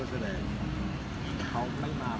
และเจ้าชาย